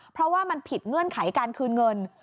เพราะว่ามันผิดเงื่อนไขการคืนเงิน